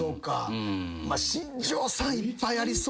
新庄さんいっぱいありそう。